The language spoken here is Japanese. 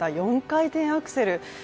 ４回転アクセル。